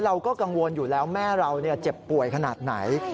เราก็กังวลอยู่แล้วแม่เราเจ็บป่วยขนาดไหน